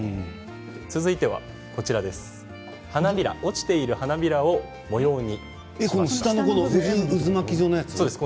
続いては落ちている花びらを模様に。